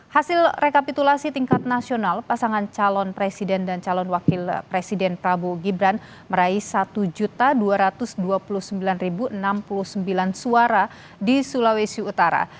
hasil rekapitulasi tingkat nasional pasangan calon presiden dan calon wakil presiden prabowo gibran meraih satu dua ratus dua puluh sembilan enam puluh sembilan suara di sulawesi utara